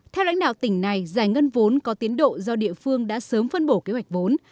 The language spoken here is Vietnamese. theo lãnh đạo tỉnh này giải ngân vốn có tiến độ do địa phương đã sớm phân bổ kế hoạch vốn